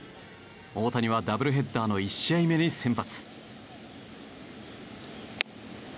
大谷はダブルヘッダーの１試合目に先発。